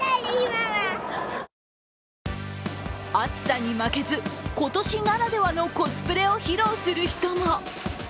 暑さに負けず、今年ならではのコスプレを披露する人も。